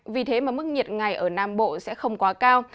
vì thế mà mức nhiệt ngày ở nam bộ sẽ không quá cao